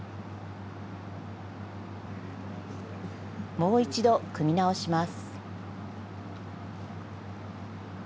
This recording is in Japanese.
もう１度組み直します。